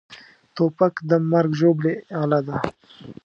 توپک د مرګ ژوبلې اله ده.